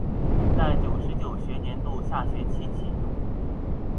在九十九学年度下学期启用。